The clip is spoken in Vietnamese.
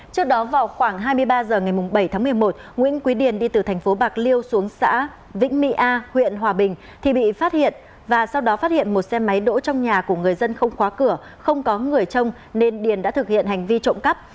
trước đó vào khoảng hai mươi ba h ngày bảy tháng một mươi một nguyễn quý điền đi từ thành phố bạc liêu xuống xã vĩnh mỹ a huyện hòa bình thì bị phát hiện và sau đó phát hiện một xe máy đỗ trong nhà của người dân không khóa cửa không có người trông nên điền đã thực hiện hành vi trộm cắp